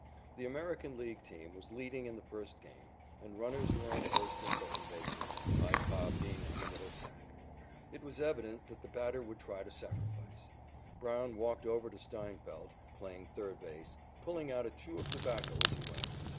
The American League team was leading in the first game, and runners were on first and second bases, "Ty" Cobb being on the middle sack. It was evident that the batter would try to sacrifice. Brown walked over to Steinfeldt, playing third base, pulling out a chew of tobacco as he went.